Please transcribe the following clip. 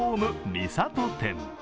三郷店。